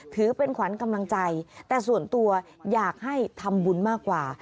ถือเป็นขวัญกำลังใจแต่ส่วนตัวอยากให้ทำบุญมากกว่า